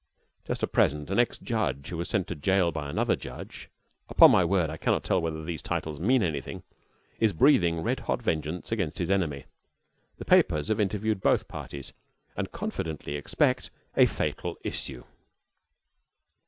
Just at present an ex judge who was sent to jail by another judge (upon my word I cannot tell whether these titles mean anything) is breathing red hot vengeance against his enemy. The papers have interviewed both parties, and confidently expect a fatal issue.